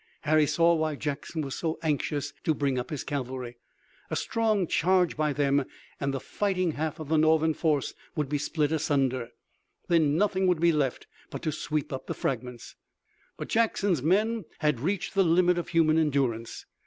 Harry saw why Jackson was so anxious to bring up his cavalry. A strong charge by them and the fighting half of the Northern force would be split asunder. Then nothing would be left but to sweep up the fragments. But Jackson's men had reached the limit of human endurance.